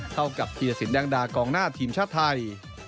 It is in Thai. เท่ากับเทียดศิลป์แดงดากองหน้าทีมชาดไทย